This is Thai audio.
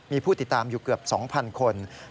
มีผู้ติดตามอยู่เกือบ๒๐๐คน